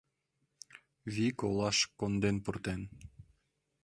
Вик олаш конден пуртен.